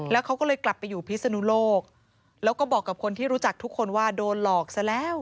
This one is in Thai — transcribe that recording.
แล้วเขาก็เลยกลับไปอยู่พิศนุโลกแล้วก็บอกกับคนที่รู้จักทุกคนว่าโดนหลอกซะแล้ว